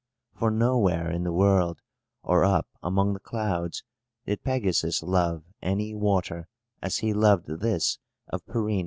For, nowhere in the world, or up among the clouds, did Pegasus love any water as he loved this of Pirene.